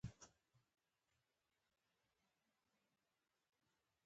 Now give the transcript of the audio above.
د هغه په خبرو کې یوه هم علمي خبره نه وه.